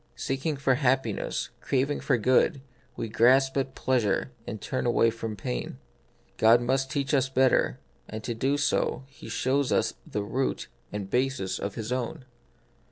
Seeking for hap piness, craving for good, we grasp at pleasure and turn away from pain. God must teach us better, and to do so He shows us the root and basis of His own.